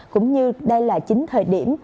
cũng như đây là chính thời điểm